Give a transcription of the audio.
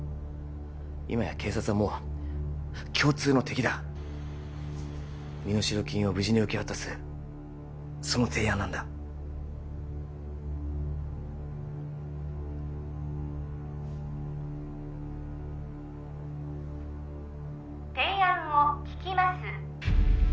今や警察はもう共通の敵だ身代金を無事に受け渡すその提案なんだ提案を聞きます